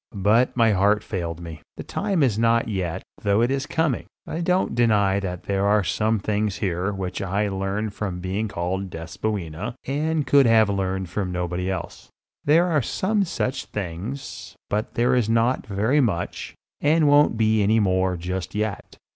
But my heart failed me. The time is not yet, though it is coming. I don't deny that there are some things here which I learned from the being called Despoina and could have learned from nobody else. There are some such things, but there is not very much, and won't be any more just yet.